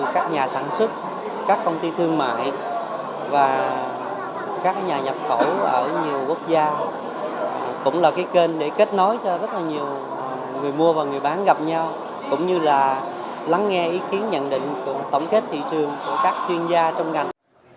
cũng như là lắng nghe ý kiến nhận định của tổng kết thị trường của các chuyên gia trong ngành